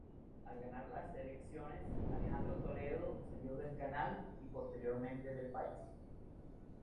Al ganar las elecciones Alejandro Toledo, salió del canal y posteriormente del país.